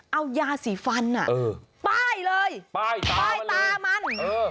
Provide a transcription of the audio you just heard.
เอายาสีฟันป้ายเลยป้ายตาป้ายตามัน